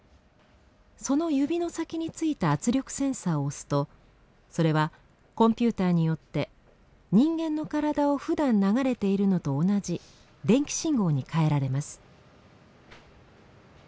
その指の先についた圧力センサーを押すとそれはコンピューターによって人間の体をふだん流れているのと同じ電気信号に変えられます。